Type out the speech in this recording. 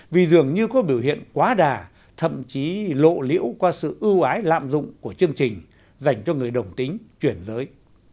vì dường như có biểu hiện quá đà thậm chí lộ liễu qua sự ưu ái lạm dụng của chương trình dành cho người đồng tính chuyển giới